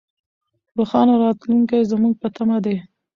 روښانه راتلونکی زموږ په تمه دی.